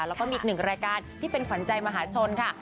แล้วก็มีอีกหนึ่งรายการที่เป็นขวัญใจมหาชนค่ะ